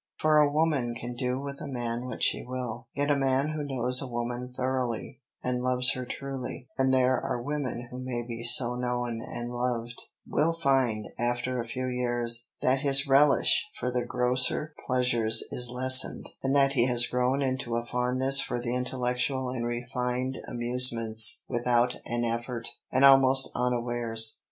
"For a woman can do with a man what she will;" yet a man who knows a woman thoroughly and loves her truly and there are women who may be so known and loved will find, after a few years, that his relish for the grosser pleasures is lessened, and that he has grown into a fondness for the intellectual and refined amusements without an effort, and almost unawares.